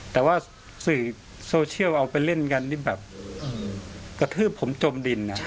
แต่ว่าสื่อโซเชียลเอาไปเล่นกันนี่แบบกระทืบผมจมดินนะ